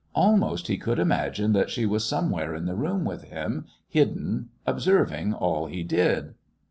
Almost he could imagine that she was somewhere in the room with him, hidden, observing all he did.